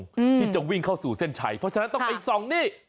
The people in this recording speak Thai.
ที่จะวิ่งเข้าสู่เส้นชัยเพราะฉะนั้นต้องไปส่องนี่